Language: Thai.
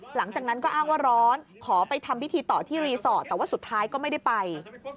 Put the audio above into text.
หลังจากนั้นก็อ้างว่าร้อนขอไปทำพิธีต่อที่รีสอร์ทแต่ว่าสุดท้ายก็ไม่ได้ไป